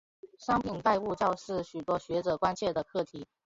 商品拜物教是许多学者关切的课题。